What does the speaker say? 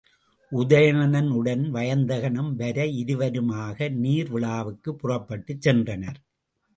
உதயணனுடன் வயந்தகனும் வர, இருவருமாக நீர் விழாவிற்குப் புறப்பட்டுச் சென்றனர்.